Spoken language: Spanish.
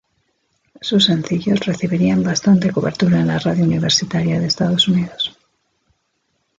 Sus sencillos recibirían bastante cobertura en la radio universitaria de Estados Unidos.